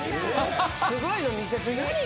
すごいの見せすぎ。